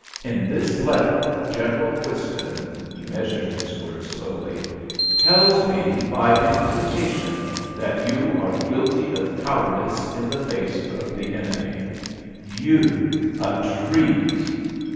"In this letter, General Whiston," he measured his words slowly, "tells me, by implication, that you are guilty of cowardice in the face of the enemy—you, a Treves!"